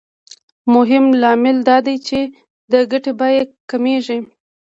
مهم لامل دا دی چې د ګټې بیه کمېږي